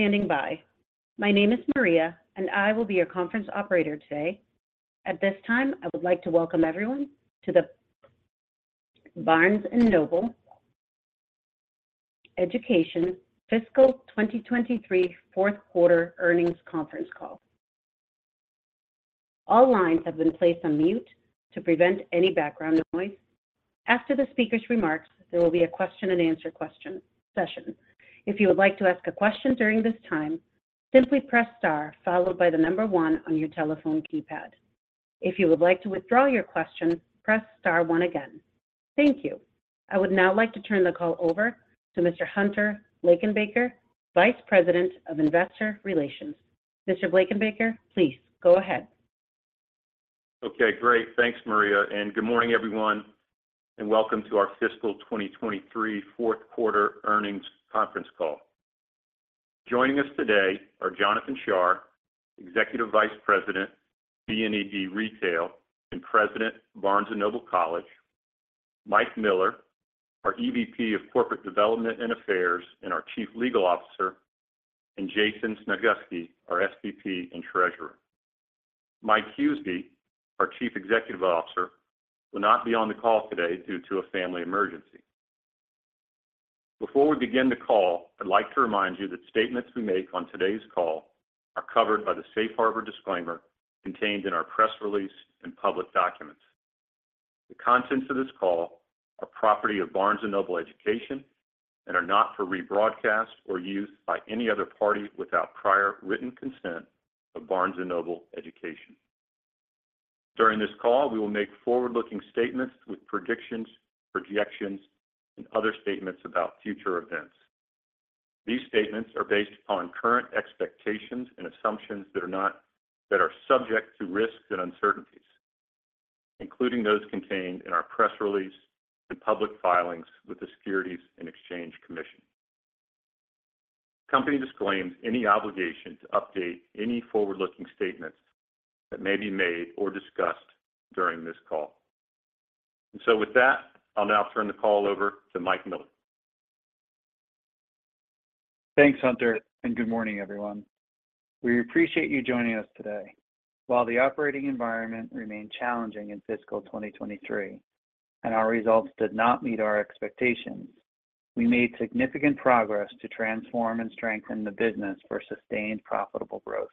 Thank you for standing by. My name is Maria, and I will be your conference operator today. At this time, I would like to welcome everyone to the Barnes & Noble Education Fiscal 2023 Q4 Earnings Conference Call. All lines have been placed on mute to prevent any background noise. After the speaker's remarks, there will be a question-and-answer question session. If you would like to ask a question during this time, simply press star followed by the number one on your telephone keypad. If you would like to withdraw your question, press star one again. Thank you. I would now like to turn the call over to Mr. Hunter Blankenbaker, Vice President of Investor Relations. Mr. Blankenbaker, please go ahead. Okay, great. Thanks, Maria, and good morning, everyone, and welcome to our fiscal 2023 Q4 earnings conference call. Joining us today are Jonathan Shar, Executive Vice President, BNED Retail, and President, Barnes & Noble College, Mike Miller, our EVP of Corporate Development and Affairs and our Chief Legal Officer, and Jason Snagowski, our SVP and Treasurer. Mike Huseby, our Chief Executive Officer, will not be on the call today due to a family emergency. Before we begin the call, I'd like to remind you that statements we make on today's call are covered by the safe harbor disclaimer contained in our press release and public documents. The contents of this call are property of Barnes & Noble Education and are not for rebroadcast or use by any other party without prior written consent of Barnes & Noble Education. During this call, we will make forward-looking statements with predictions, projections, and other statements about future events. These statements are based upon current expectations and assumptions that are subject to risks and uncertainties, including those contained in our press release and public filings with the Securities and Exchange Commission. The company disclaims any obligation to update any forward-looking statements that may be made or discussed during this call. With that, I'll now turn the call over to Mike Miller. Thanks, Hunter. Good morning, everyone. We appreciate you joining us today. While the operating environment remained challenging in fiscal 2023 and our results did not meet our expectations, we made significant progress to transform and strengthen the business for sustained, profitable growth.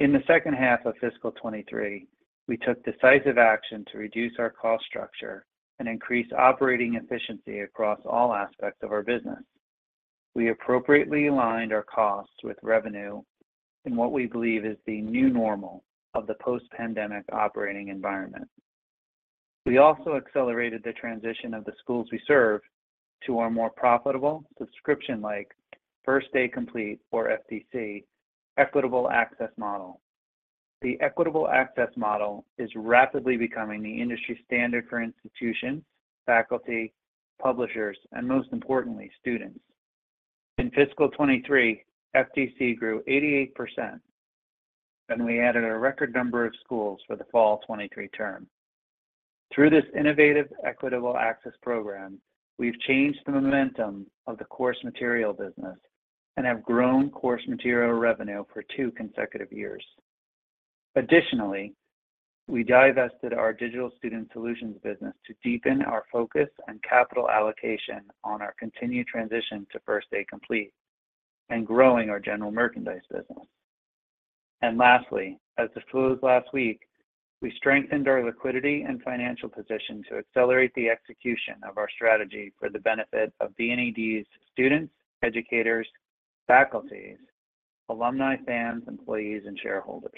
In the H2 of fiscal 2023, we took decisive action to reduce our cost structure and increase operating efficiency across all aspects of our business. We appropriately aligned our costs with revenue in what we believe is the new normal of the post-pandemic operating environment. We also accelerated the transition of the schools we serve to our more profitable, subscription-like First Day Complete, or FDC, Equitable Access model. The Equitable Access model is rapidly becoming the industry standard for institutions, faculty, publishers, and most importantly, students. In fiscal 2023, FDC grew 88%, we added a record number of schools for the fall 2023 term. Through this innovative, Equitable Access program, we've changed the momentum of the course material business and have grown course material revenue for two consecutive years. Additionally, we divested our Digital Student Solutions business to deepen our focus and capital allocation on our continued transition to First Day Complete and growing our general merchandise business. Lastly, as disclosed last week, we strengthened our liquidity and financial position to accelerate the execution of our strategy for the benefit of BNED's students, educators, faculties, alumni, fans, employees, and shareholders.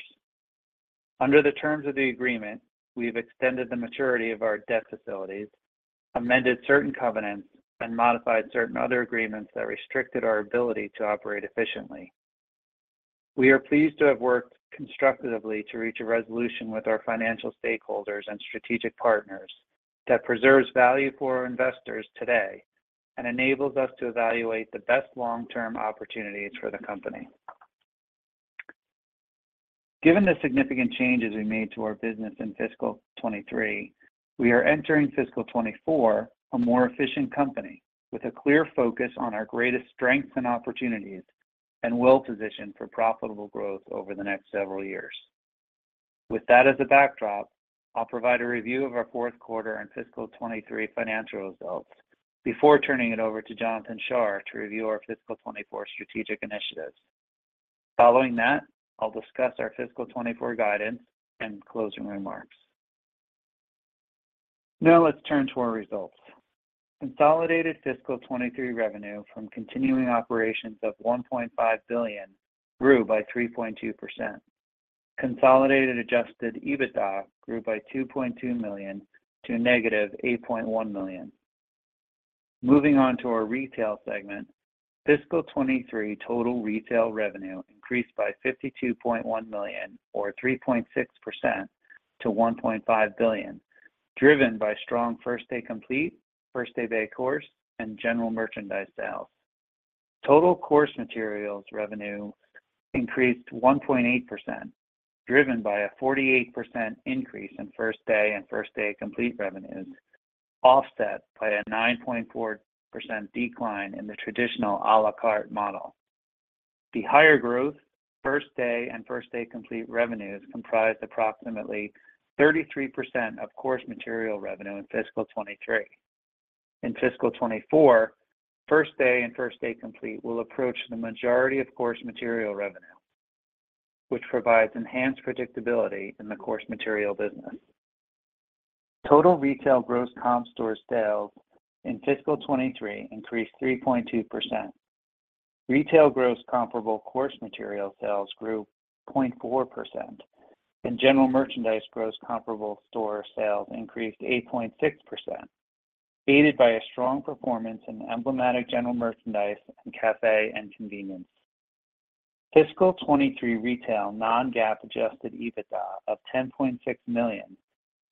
Under the terms of the agreement, we've extended the maturity of our debt facilities, amended certain covenants, and modified certain other agreements that restricted our ability to operate efficiently. We are pleased to have worked constructively to reach a resolution with our financial stakeholders and strategic partners that preserves value for our investors today and enables us to evaluate the best long-term opportunities for the company. Given the significant changes we made to our business in fiscal 2023, we are entering fiscal 2024 a more efficient company with a clear focus on our greatest strengths and opportunities and well-positioned for profitable growth over the next several years. With that as a backdrop, I'll provide a review of our Q4 and fiscal 2023 financial results before turning it over to Jonathan Shar to review our fiscal 2024 strategic initiatives. Following that, I'll discuss our fiscal 2024 guidance and closing remarks. Now, let's turn to our results. Consolidated fiscal 2023 revenue from continuing operations of $1.5 billion grew by 3.2%. Consolidated adjusted EBITDA grew by $2.2 million to a negative $8.1 million. Moving on to our retail segment, fiscal 2023 total retail revenue increased by $52.1 million, or 3.6% to $1.5 billion, driven by strong First Day Complete, First Day of a Course, and general merchandise sales. Total course materials revenue increased 1.8%, driven by a 48% increase in First Day and First Day Complete revenues, offset by a 9.4% decline in the traditional a la carte model. The higher growth, First Day and First Day Complete revenues comprised approximately 33% of course material revenue in fiscal 2023. In fiscal 2024, First Day and First Day Complete will approach the majority of course material revenue, which provides enhanced predictability in the course material business. Total retail gross comp store sales in fiscal 2023 increased 3.2%. Retail gross comparable course material sales grew 0.4%, and general merchandise gross comparable store sales increased 8.6%, aided by a strong performance in emblematic general merchandise and cafe and convenience. Fiscal 2023 retail non-GAAP adjusted EBITDA of $10.6 million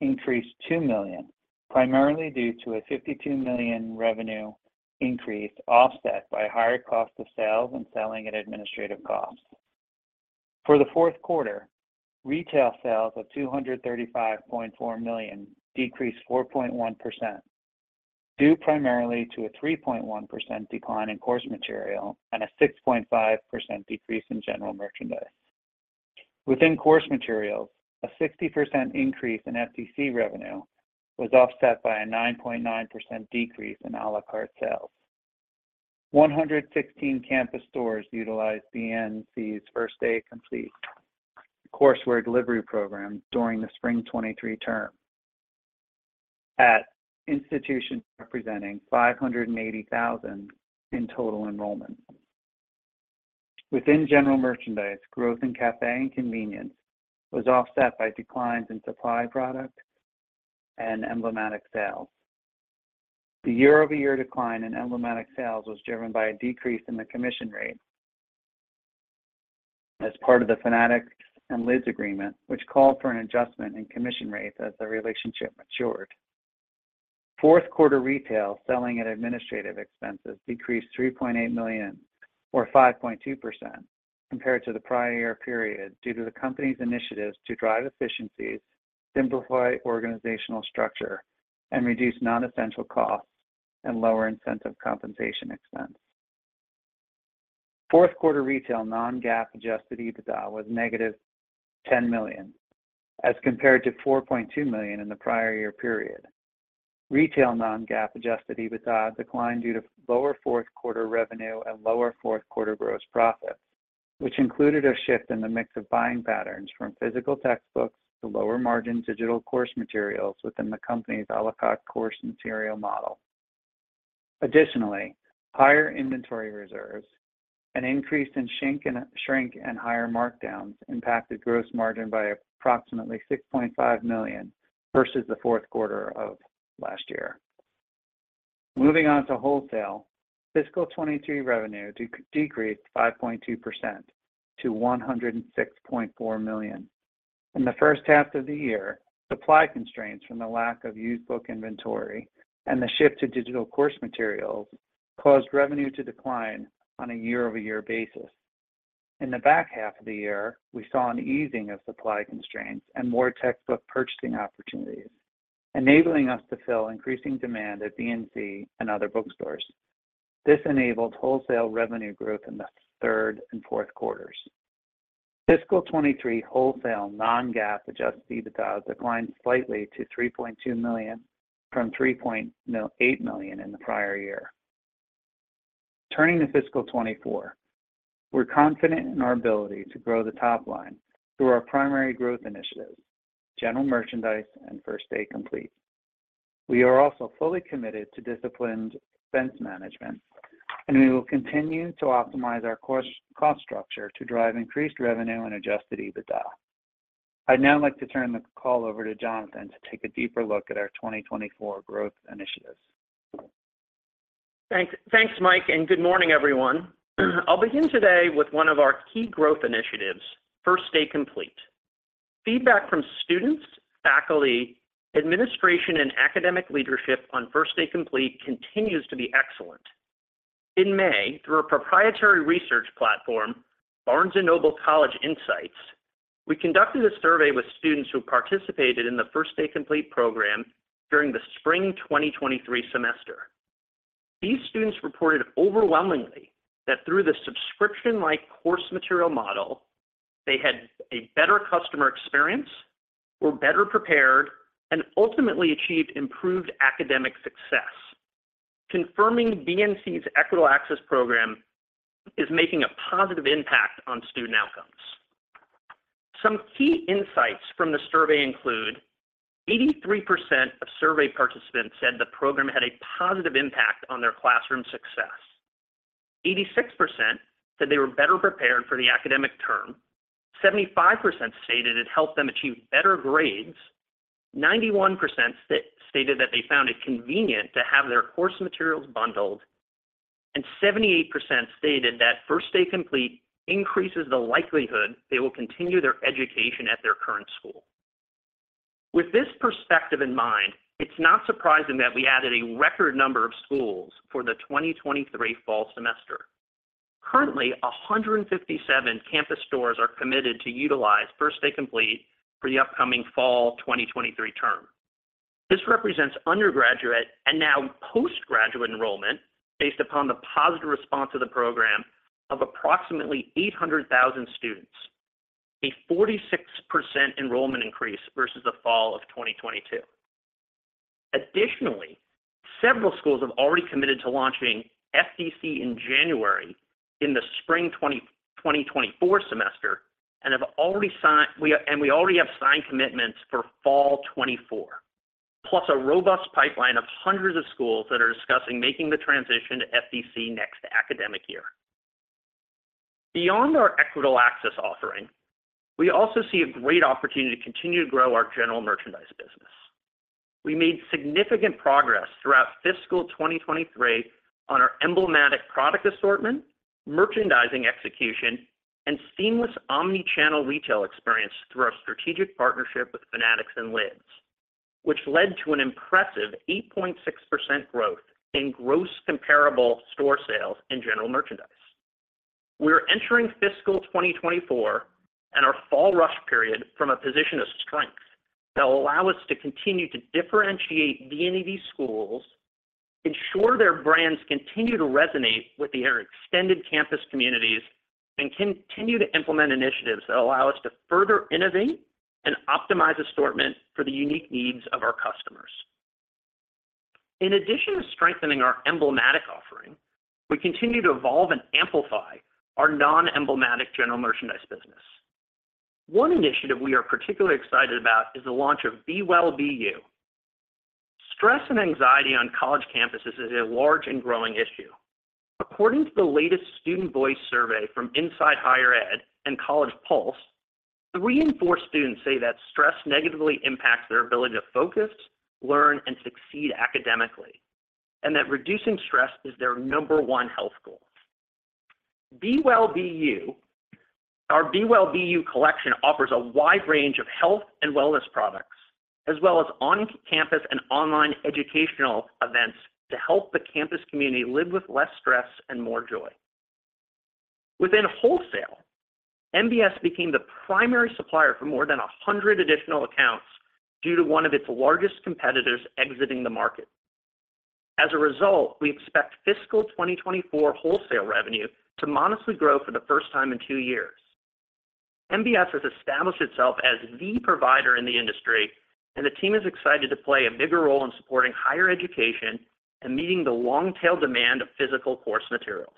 increased $2 million, primarily due to a $52 million revenue increase, offset by higher cost of sales and selling and administrative costs. For the Q4, retail sales of $235.4 million decreased 4.1%, due primarily to a 3.1% decline in course material and a 6.5% decrease in general merchandise. Within course materials, a 60% increase in FDC revenue was offset by a 9.9% decrease in a la carte sales. 116 campus stores utilized BNC's First Day Complete courseware delivery program during the Spring 2023 term at institutions representing 580,000 in total enrollment. Within general merchandise, growth in cafe and convenience was offset by declines in supply product and emblematic sales. The year-over-year decline in emblematic sales was driven by a decrease in the commission rate as part of the Fanatics and Lids agreement, which called for an adjustment in commission rates as the relationship matured. Q4 retail selling and administrative expenses decreased $3.8 million, or 5.2%, compared to the prior year period, due to the company's initiatives to drive efficiencies, simplify organizational structure, and reduce non-essential costs and lower incentive compensation expense. Q4 retail non-GAAP adjusted EBITDA was -$10 million, as compared to $4.2 million in the prior year period. Retail non-GAAP adjusted EBITDA declined due to lower Q4 revenue and lower Q4 gross profit, which included a shift in the mix of buying patterns from physical textbooks to lower-margin digital course materials within the company's a la carte course material model. Additionally, higher inventory reserves, an increase in shrink and higher markdowns impacted gross margin by approximately $6.5 million versus the Q4 of last year. Moving on to wholesale, fiscal 2023 revenue decreased 5.2% to $106.4 million. In the H1 of the year, supply constraints from the lack of used book inventory and the shift to digital course materials caused revenue to decline on a year-over-year basis. In the back half of the year, we saw an easing of supply constraints and more textbook purchasing opportunities, enabling us to fill increasing demand at BNC and other bookstores. This enabled wholesale revenue growth in the third and Q4s. Fiscal 2023 wholesale non-GAAP adjusted EBITDA declined slightly to $3.2 million from $3.8 million in the prior year. Turning to fiscal 2024, we're confident in our ability to grow the top line through our primary growth initiatives, general merchandise and First Day Complete. We are also fully committed to disciplined expense management. We will continue to optimize our cost structure to drive increased revenue and adjusted EBITDA. I'd now like to turn the call over to Jonathan to take a deeper look at our 2024 growth initiatives. Thanks, thanks, Mike, and good morning, everyone. I'll begin today with one of our key growth initiatives, First Day Complete. Feedback from students, faculty, administration, and academic leadership on First Day Complete continues to be excellent. In May, through a proprietary research platform, Barnes & Noble College Insights, we conducted a survey with students who participated in the First Day Complete program during the Spring 2023 semester. These students reported overwhelmingly that through the subscription-like course material model, they had a better customer experience, were better prepared, and ultimately achieved improved academic success, confirming BNC's Equitable Access program is making a positive impact on student outcomes. Some key insights from the survey include: 83% of survey participants said the program had a positive impact on their classroom success. 86% said they were better prepared for the academic term. 75% stated it helped them achieve better grades. 91% stated that they found it convenient to have their course materials bundled, 78% stated that First Day Complete increases the likelihood they will continue their education at their current school. With this perspective in mind, it's not surprising that we added a record number of schools for the 2023 fall semester. Currently, 157 campus stores are committed to utilize First Day Complete for the upcoming fall 2023 term. This represents undergraduate and now postgraduate enrollment, based upon the positive response to the program, of approximately 800,000 students, a 46% enrollment increase versus the fall of 2022. Additionally, several schools have already committed to launching FDC in January, in the spring 2024 semester, and we already have signed commitments for fall 2024, plus a robust pipeline of hundreds of schools that are discussing making the transition to FDC next academic year. Beyond our equitable access offering, we also see a great opportunity to continue to grow our general merchandise business. We made significant progress throughout fiscal 2023 on our emblematic product assortment, merchandising execution, and seamless omni-channel retail experience through our strategic partnership with Fanatics and Lids, which led to an impressive 8.6% growth in gross comparable store sales and general merchandise. We are entering fiscal 2024 and our fall rush period from a position of strength, that will allow us to continue to differentiate BNED schools, ensure their brands continue to resonate with their extended campus communities, and continue to implement initiatives that allow us to further innovate and optimize assortment for the unique needs of our customers. In addition to strengthening our emblematic offering, we continue to evolve and amplify our non-emblematic general merchandise business. One initiative we are particularly excited about is the launch of Be Well, Be You. Stress and anxiety on college campuses is a large and growing issue. According to the latest Student Voice survey from Inside Higher Ed and College Pulse, three in four students say that stress negatively impacts their ability to focus, learn, and succeed academically, and that reducing stress is their number one health goal. Be Well, Be You, our Be Well, Be You collection offers a wide range of health and wellness products, as well as on-campus and online educational events to help the campus community live with less stress and more joy. Within wholesale, MBS became the primary supplier for more than 100 additional accounts due to one of its largest competitors exiting the market. As a result, we expect fiscal 2024 wholesale revenue to modestly grow for the first time in two years. MBS has established itself as the provider in the industry, and the team is excited to play a bigger role in supporting higher education and meeting the long-tail demand of physical course materials.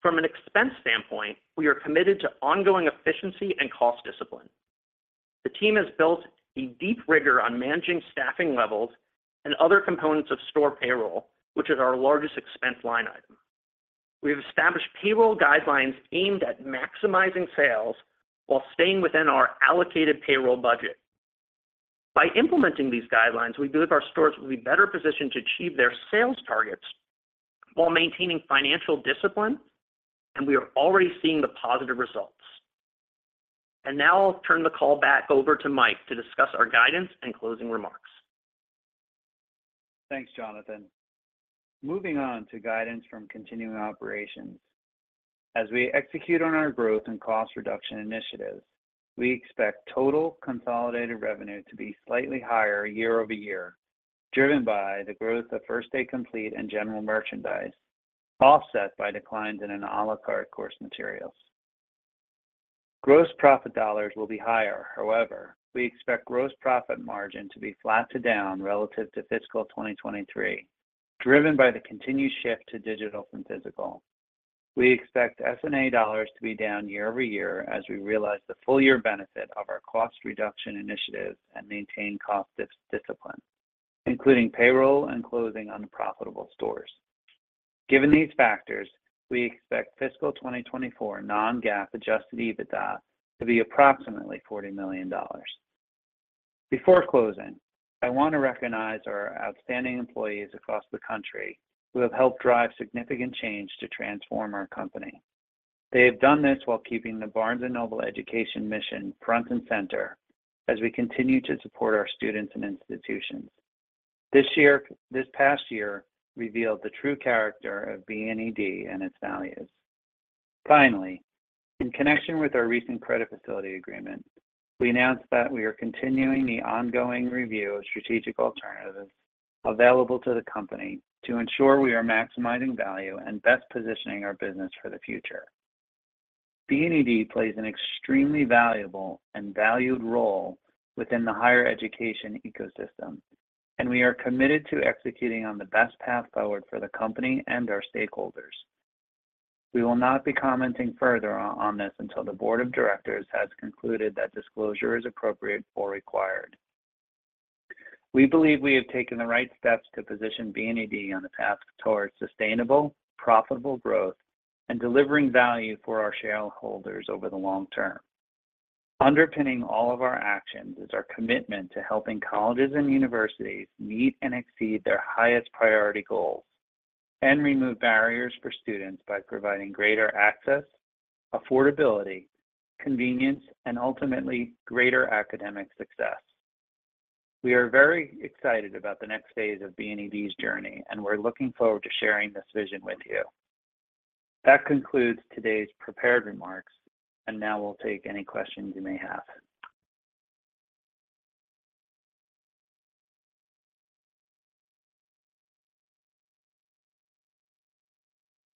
From an expense standpoint, we are committed to ongoing efficiency and cost discipline. The team has built a deep rigor on managing staffing levels and other components of store payroll, which is our largest expense line item. We have established payroll guidelines aimed at maximizing sales while staying within our allocated payroll budget. By implementing these guidelines, we believe our stores will be better positioned to achieve their sales targets while maintaining financial discipline, and we are already seeing the positive results. Now I'll turn the call back over to Mike to discuss our guidance and closing remarks. Thanks, Jonathan. Moving on to guidance from continuing operations. As we execute on our growth and cost reduction initiatives, we expect total consolidated revenue to be slightly higher year-over-year, driven by the growth of First Day Complete and general merchandise, offset by declines in an a la carte course materials. Gross profit dollars will be higher. However, we expect gross profit margin to be flat to down relative to fiscal 2023, driven by the continued shift to digital from physical. We expect S&A dollars to be down year-over-year as we realize the full year benefit of our cost reduction initiatives and maintain cost discipline, including payroll and closing unprofitable stores. Given these factors, we expect fiscal 2024 non-GAAP adjusted EBITDA to be approximately $40 million. Before closing, I want to recognize our outstanding employees across the country who have helped drive significant change to transform our company. They have done this while keeping the Barnes & Noble Education mission front and center as we continue to support our students and institutions. This past year revealed the true character of BNED and its values. Finally, in connection with our recent credit facility agreement, we announced that we are continuing the ongoing review of strategic alternatives available to the company to ensure we are maximizing value and best positioning our business for the future. BNED plays an extremely valuable and valued role within the higher education ecosystem, we are committed to executing on the best path forward for the company and our stakeholders. We will not be commenting further on this until the board of directors has concluded that disclosure is appropriate or required. We believe we have taken the right steps to position BNED on the path towards sustainable, profitable growth and delivering value for our shareholders over the long term. Underpinning all of our actions is our commitment to helping colleges and universities meet and exceed their highest priority goals and remove barriers for students by providing greater access, affordability, convenience, and ultimately, greater academic success. We are very excited about the next phase of BNED's journey, and we're looking forward to sharing this vision with you. That concludes today's prepared remarks, and now we'll take any questions you may have.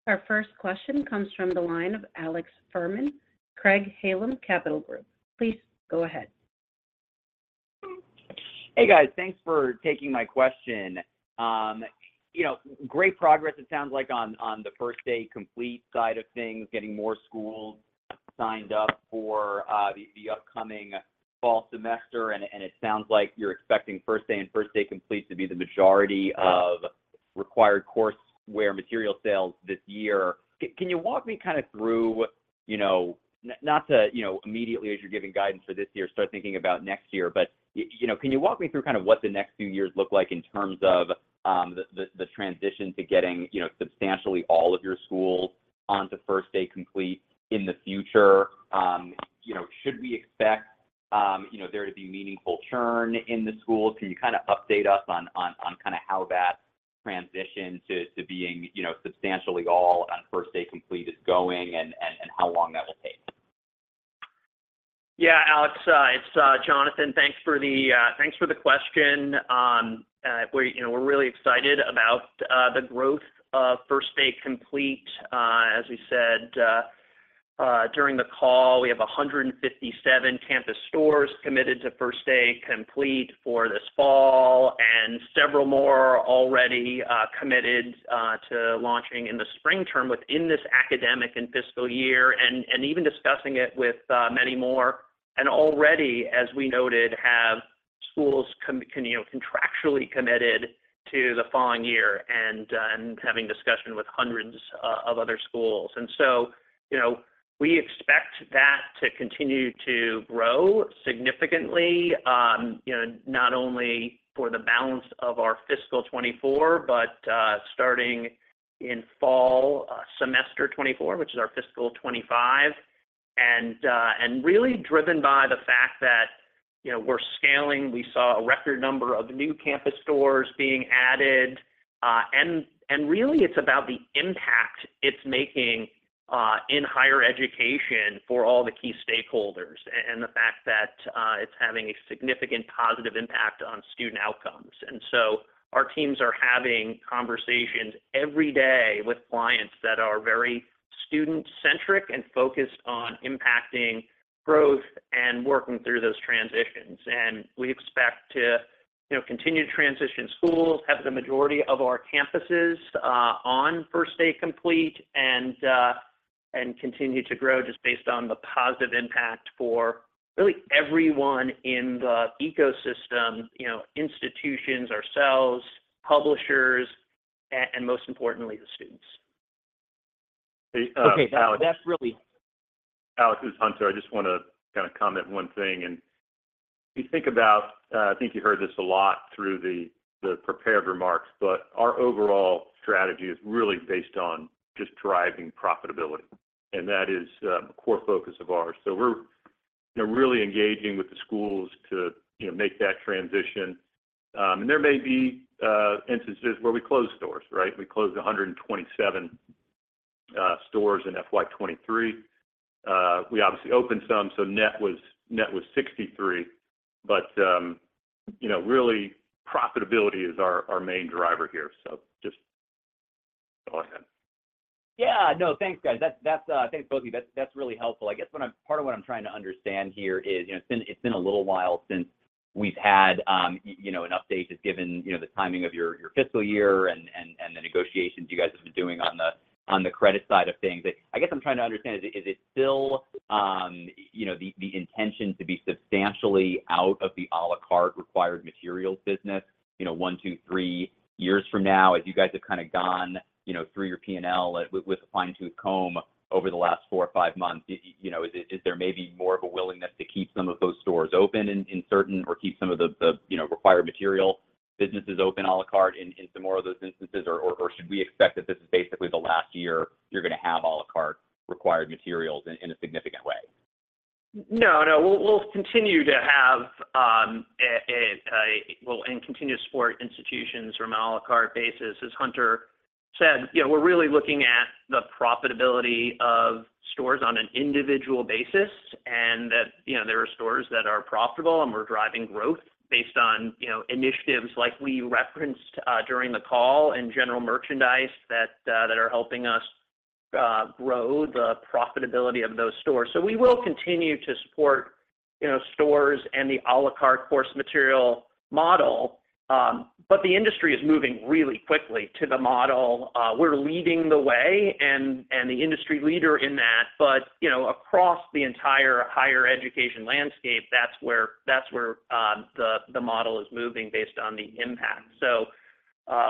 Our first question comes from the line of Alex Fuhrman, Craig-Hallum Capital Group. Please go ahead. Hey, guys. Thanks for taking my question. You know, great progress, it sounds like on, on the First Day Complete side of things, getting more schools signed up for the, the upcoming fall semester, and it sounds like you're expecting First Day and First Day Complete to be the majority of required courseware material sales this year. Can you walk me kind of through, you know, not to, you know, immediately, as you're giving guidance for this year, start thinking about next year, but you know, can you walk me through kind of what the next few years look like in terms of the, the, the transition to getting, you know, substantially all of your schools onto First Day Complete in the future? You know, should we expect, you know, there to be meaningful churn in the schools? Can you kind of update us on, on kind of how that transition to being, you know, substantially all on First Day Complete is going, and, and how long that will take? Yeah, Alex Fuhrman, it's Jonathan. Thanks for the thanks for the question. You know, we're really excited about the growth of First Day Complete. As we said during the call, we have 157 campus stores committed to First Day Complete for this fall, and several more are already committed to launching in the spring term within this academic and fiscal year, and even discussing it with many more. Already, as we noted, have schools you know, contractually committed to the following year and having discussion with hundreds of other schools. You know, we expect that to continue to grow significantly, you know, not only for the balance of our fiscal 2024, but starting in fall semester 2024, which is our fiscal 2025. Really driven by the fact that, you know, we're scaling. We saw a record number of new campus stores being added, and really, it's about the impact it's making in higher education for all the key stakeholders and the fact that it's having a significant positive impact on student outcomes. Our teams are having conversations every day with clients that are very student-centric and focused on impacting growth and working through those transitions. We expect to, you know, continue to transition schools, have the majority of our campuses on First Day Complete, and continue to grow just based on the positive impact for really everyone in the ecosystem, you know, institutions, ourselves, publishers, and most importantly, the students. Hey, Alex. Okay, that's really. Alex, it's Hunter. I just wanna kind of comment one thing, if you think about, I think you heard this a lot through the, the prepared remarks, our overall strategy is really based on just driving profitability, that is a core focus of ours. We're, you know, really engaging with the schools to, you know, make that transition. There may be instances where we close stores, right? We closed 127 stores in FY 2023. We obviously opened some, net was, net was 63. You know, really, profitability is our, our main driver here, just go ahead. Yeah. No, thanks, guys. That's, that's. Thanks, both of you. That's, that's really helpful. I guess what I'm part of what I'm trying to understand here is, you know, it's been, it's been a little while since we've had, you know, an update, just given, you know, the timing of your, your fiscal year and, and, and the negotiations you guys have been doing on the, on the credit side of things. I guess I'm trying to understand, is it, is it still, you know, the, the intention to be substantially out of the a la carte required materials business, you know, one, two, three years from now, as you guys have kind of gone, you know, through your P&L with a fine-tooth comb over the last four or five months, you know, is there, is there maybe more of a willingness to keep some of those stores open in, in certain or keep some of the, you know, required material businesses open a la carte in, in some more of those instances? Or should we expect that this is basically the last year you're gonna have a la carte required materials in, in a significant way? No, no, we'll, we'll continue to have. We'll continue to support institutions from an a la carte basis. As Hunter said, you know, we're really looking at the profitability of stores on an individual basis, and that, you know, there are stores that are profitable, and we're driving growth based on, you know, initiatives like we referenced during the call and general merchandise that are helping us grow the profitability of those stores. We will continue to support, you know, stores and the a la carte course material model, but the industry is moving really quickly to the model. We're leading the way and the industry leader in that, but, you know, across the entire higher education landscape, that's where, that's where the model is moving based on the impact.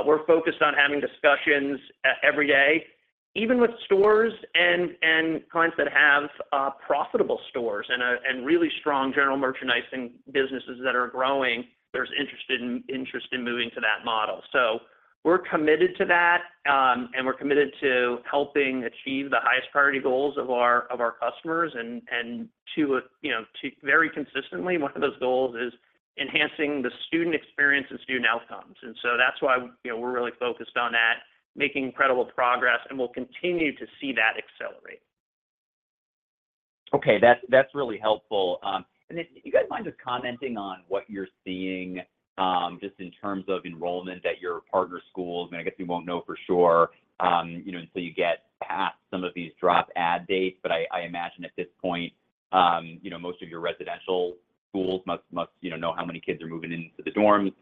We're focused on having discussions every day, even with stores and clients that have profitable stores and really strong general merchandising businesses that are growing, there's interest in, interest in moving to that model. We're committed to that, and we're committed to helping achieve the highest priority goals of our customers, and to a, you know, very consistently, one of those goals is enhancing the student experience and student outcomes. That's why, you know, we're really focused on that, making incredible progress, and we'll continue to see that accelerate. Okay, that's, that's really helpful. If you guys mind just commenting on what you're seeing, just in terms of enrollment at your partner schools, and I guess you won't know for sure, you know, until you get past some of these drop/add dates. I, I imagine at this point, you know, most of your residential schools must, must, you know, know how many kids are moving into the dorms,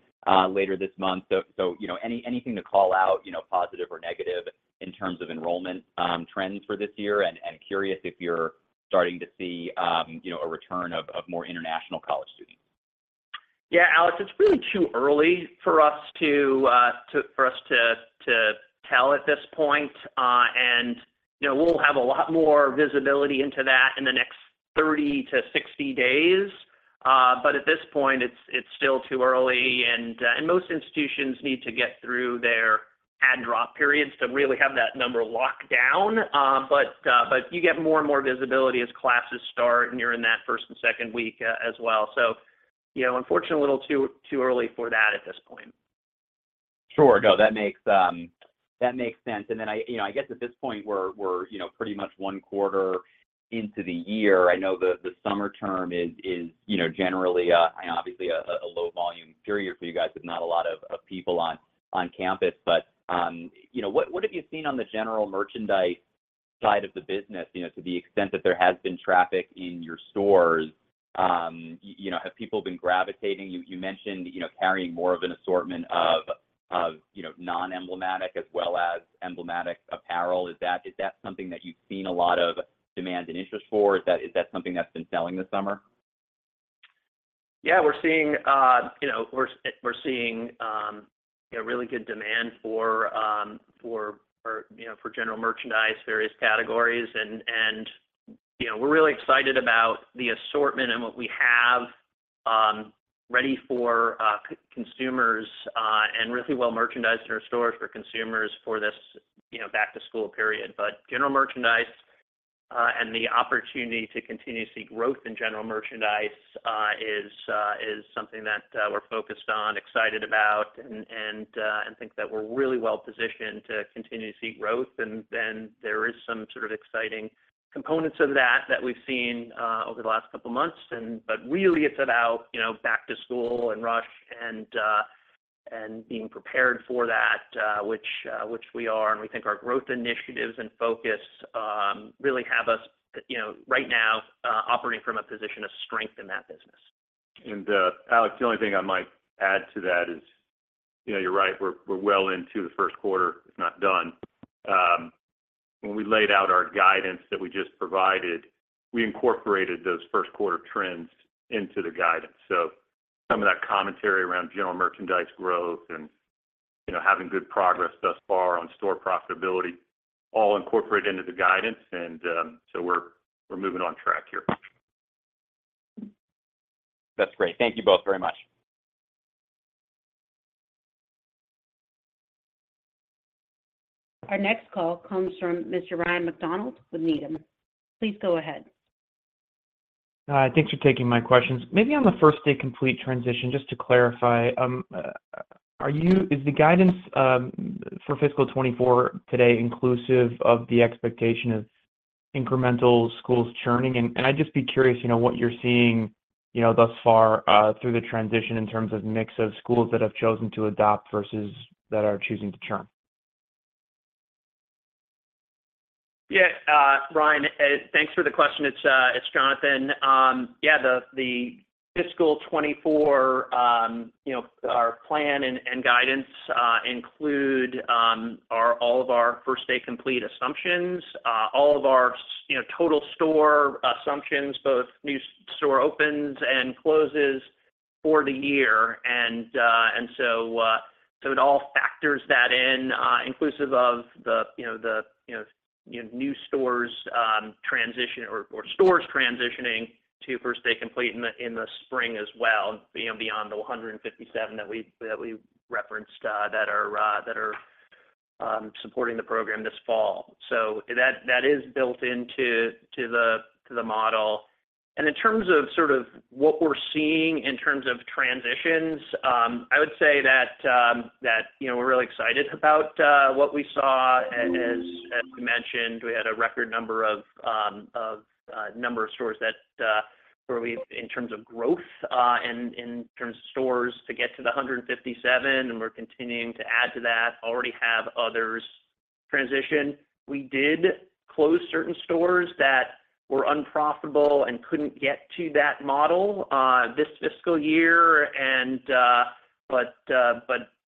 later this month. So, you know, anything to call out, you know, positive or negative in terms of enrollment, trends for this year? Curious if you're starting to see, you know, a return of, of more international college students. Yeah, Alex, it's really too early for us to tell at this point. You know, we'll have a lot more visibility into that in the next 30 to 60 days. At this point, it's, it's still too early, and most institutions need to get through their add-drop periods to really have that number locked down. You get more and more visibility as classes start, and you're in that 1st and 2nd week as well. You know, unfortunately, a little too early for that at this point. Sure. No, that makes that makes sense. I, you know, I guess at this point, we're, we're, you know, pretty much one quarter into the year. I know the, the summer term is, is, you know, generally, and obviously a, a, a low volume period for you guys with not a lot of, of people on, on campus. You know, what, what have you seen on the general merchandise side of the business, you know, to the extent that there has been traffic in your stores? You know, have people been gravitating. You, you mentioned, you know, carrying more of an assortment of, of, you know, non-emblematic as well as emblematic apparel. Is that, is that something that you've seen a lot of demand and interest for? Is that, is that something that's been selling this summer? Yeah, we're seeing, you know, we're, we're seeing a really good demand for, for, for, you know, for general merchandise, various categories. You know, we're really excited about the assortment and what we have ready for consumers and really well merchandised in our stores for consumers for this, you know, back-to-school period. General merchandise and the opportunity to continue to see growth in general merchandise is something that we're focused on, excited about, and, and think that we're really well positioned to continue to see growth. Then there is some sort of exciting components of that, that we've seen over the last couple of months. Really, it's about, you know, back to school and rush and being prepared for that, which, which we are. We think our growth initiatives and focus, really have us, you know, right now, operating from a position of strength in that business. Alex, the only thing I might add to that is, you know, you're right, we're, we're well into the Q1, it's not done. When we laid out our guidance that we just provided, we incorporated those Q1 trends into the guidance. Some of that commentary around general merchandise growth and, you know, having good progress thus far on store profitability, all incorporated into the guidance. We're, we're moving on track here. That's great. Thank you both very much. Our next call comes from Mr. Ryan MacDonald with Needham. Please go ahead. Thanks for taking my questions. Maybe on the First Day Complete transition, just to clarify, Is the guidance for fiscal 2024 today inclusive of the expectation of incremental schools churning? And I'd just be curious, you know, what you're seeing, you know, thus far, through the transition in terms of mix of schools that have chosen to adopt versus that are choosing to churn. Yeah, Ryan, thanks for the question. It's, it's Jonathan. Yeah, the, the fiscal 2024, you know, our plan and, and guidance, include, our all of our First Day Complete assumptions, all of our, you know, total store assumptions, both new store opens and closes for the year. It all factors that in, inclusive of the, you know, the, you know, new stores, transition or, or stores transitioning to First Day Complete in the, in the spring as well, you know, beyond the 157 that we, that we referenced, that are, that are, supporting the program this fall. That, that is built into to the, to the model. In terms of sort of what we're seeing in terms of transitions, I would say that, that, you know, we're really excited about what we saw. As, as we mentioned, we had a record number of stores that In terms of growth, and in terms of stores, to get to the 157, and we're continuing to add to that, already have others transition. We did close certain stores that were unprofitable and couldn't get to that model, this fiscal year. But,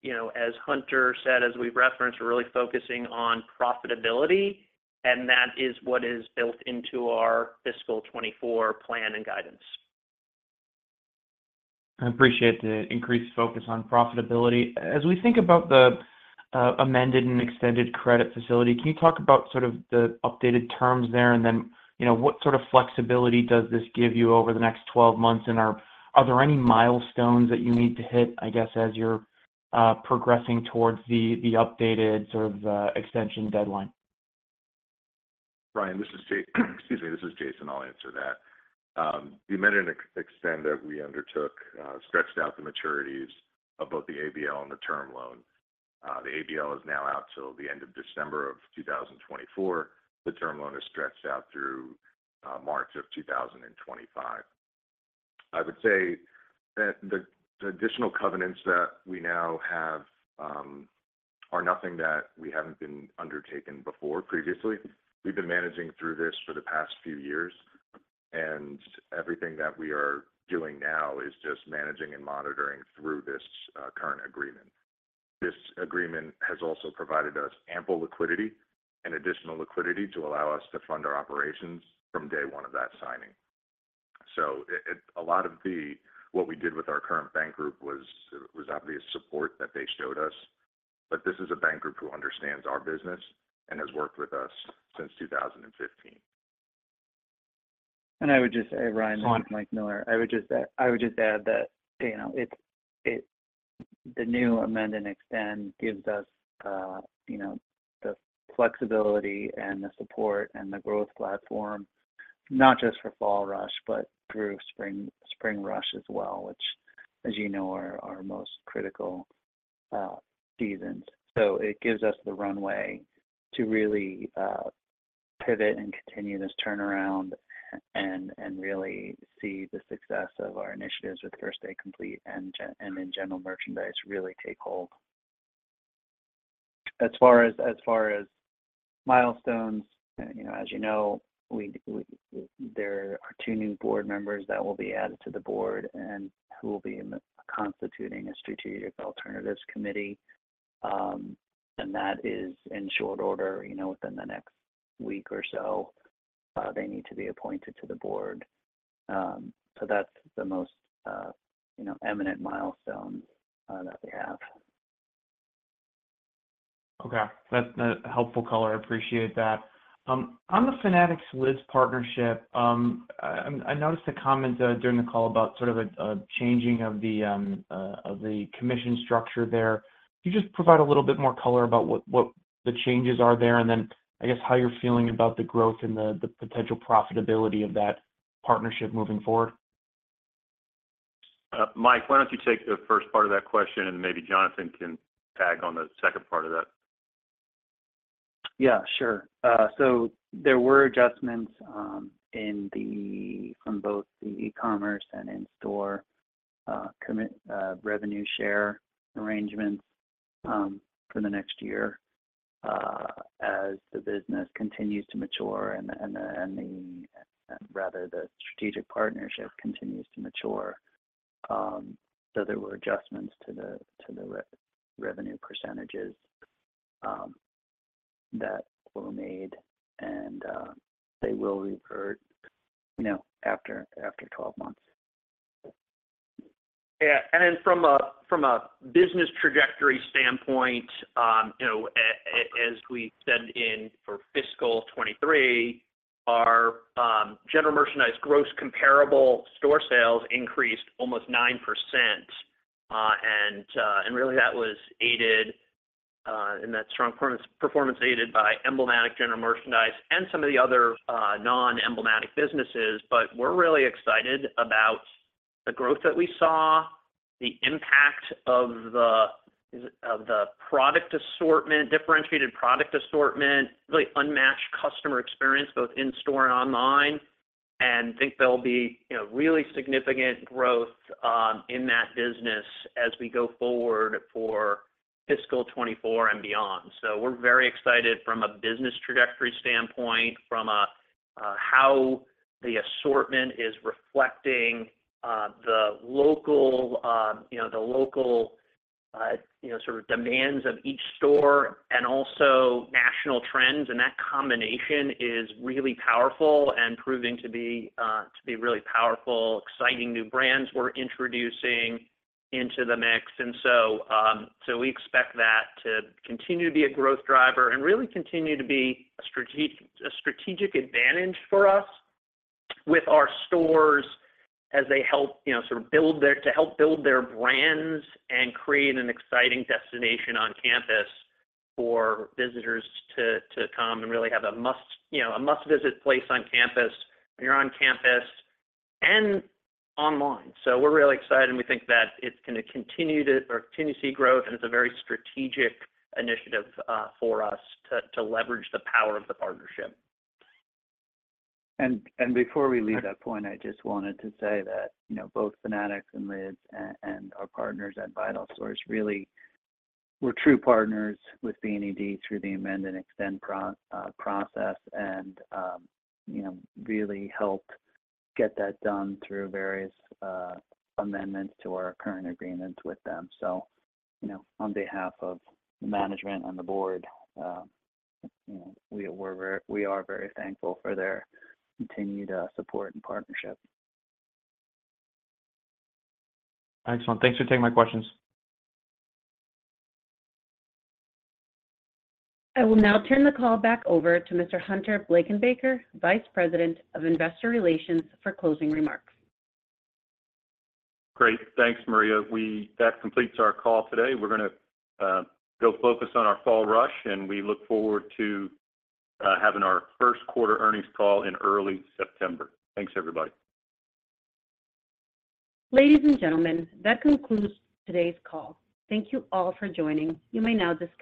you know, as Hunter said, as we've referenced, we're really focusing on profitability, and that is what is built into our fiscal 2024 plan and guidance. I appreciate the increased focus on profitability. As we think about the amended and extended credit facility, can you talk about sort of the updated terms there? Then, you know, what sort of flexibility does this give you over the next 12 months, and are, are there any milestones that you need to hit, I guess, as you're progressing towards the, the updated sort of extension deadline? Ryan, this is, excuse me, this is Jason. I'll answer that. The amend and extend that we undertook stretched out the maturities of both the ABL and the term loan. The ABL is now out till the end of December 2024. The term loan is stretched out through March 2025. I would say that the, the additional covenants that we now have are nothing that we haven't been undertaking before previously. We've been managing through this for the past few years, and everything that we are doing now is just managing and monitoring through this current agreement. This agreement has also provided us ample liquidity and additional liquidity to allow us to fund our operations from day one of that signing. So it, it. A lot of the, what we did with our current bank group was obvious support that they showed us. This is a bank group who understands our business and has worked with us since 2015. I would just say, Ryan. Go on. This is Mike Miller. I would just add, I would just add that, you know, the new amend and extend gives us, you know, the flexibility and the support and the growth platform, not just for fall rush, but through spring, spring rush as well, which, as you know, are our most critical seasons. So it gives us the runway to really pivot and continue this turnaround and, and really see the success of our initiatives with First Day Complete and in general, merchandise really take hold. As far as, as far as milestones, you know, as you know, there are two new board members that will be added to the board and who will be in the constituting a Strategic Alternatives Committee. That is in short order, you know, within the next week or so, they need to be appointed to the board. That's the most, you know, eminent milestone that we have. Okay. That's a helpful color. I appreciate that. On the Fanatics Lids partnership, I, I noticed a comment during the call about sort of a changing of the commission structure there. Can you just provide a little bit more color about what, what the changes are there? Then, I guess, how you're feeling about the growth and the, the potential profitability of that partnership moving forward. Mike, why don't you take the first part of that question, and maybe Jonathan can tag on the second part of that? Yeah, sure. There were adjustments from both the e-commerce and in-store revenue share arrangements for the next year, as the business continues to mature and rather the strategic partnership continues to mature. There were adjustments to the revenue percentages that were made, and they will revert, you know, after 12 months. Yeah, from a, from a business trajectory standpoint, you know, as, as we said in for fiscal 2023, our general merchandise gross comparable store sales increased almost 9%. Really, that was aided in that strong performance, performance aided by emblematic general merchandise and some of the other non-emblematic businesses. We're really excited about the growth that we saw, the impact of the, of the product assortment, differentiated product assortment, really unmatched customer experience, both in-store and online. Think there'll be, you know, really significant growth in that business as we go forward for fiscal 2024 and beyond. We're very excited from a business trajectory standpoint, from a how the assortment is reflecting the local, you know, the local, you know, sort of demands of each store and also national trends. That combination is really powerful and proving to be really powerful, exciting new brands we're introducing into the mix. So we expect that to continue to be a growth driver and really continue to be a strategic advantage for us with our stores as they help, you know, sort of build their brands and create an exciting destination on campus for visitors to, to come and really have, you know, a must-visit place on campus, when you're on campus and online. We're really excited, and we think that it's gonna continue to see growth, and it's a very strategic initiative for us to, to leverage the power of the partnership. Before we leave that point, I just wanted to say that, you know, both Fanatics and Lids and our partners at VitalSource really were true partners with BNED through the amend and extend process, and, you know, really helped get that done through various amendments to our current agreements with them. On behalf of the management and the board, you know, we are very thankful for their continued support and partnership. Excellent. Thanks for taking my questions. I will now turn the call back over to Mr. Hunter Blankenbaker, Vice President of Investor Relations, for closing remarks. Great. Thanks, Maria. That completes our call today. We're gonna go focus on our fall rush, and we look forward to having our Q1 earnings call in early September. Thanks, everybody. Ladies and gentlemen, that concludes today's call. Thank you all for joining. You may now disconnect.